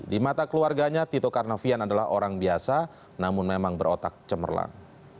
di mata keluarganya tito karnavian adalah orang biasa namun memang berotak cemerlang